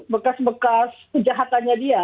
bekas bekas kejahatannya dia